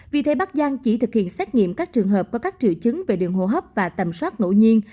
vì thế bắc giang chỉ thực hiện xét nghiệm các trường hợp có các triệu chứng về đường hô hấp và tầm soát ngẫu nhiên